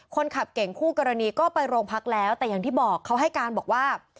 คนขับเก่งคู่กรณีก็ไปโรงพักแล้วแต่อย่างที่บอกเขาให้การบอกว่า